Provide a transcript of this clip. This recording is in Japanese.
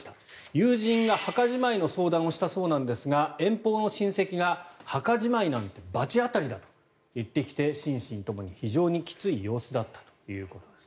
友人が墓じまいの相談をしたそうなんですが遠方の親戚が墓じまいなんて罰当たりだと言ってきて心身ともに非常にきつい様子だったということです。